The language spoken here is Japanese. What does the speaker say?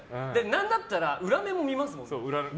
何だったら裏面も見ます。